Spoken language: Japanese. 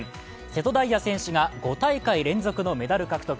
瀬戸大也選手が５大会連続のメダル獲得。